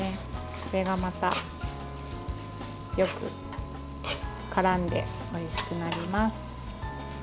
これがまた、よくからんでおいしくなります。